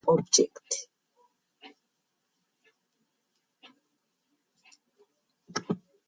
Induced movement works instead by moving the background around a fixed object.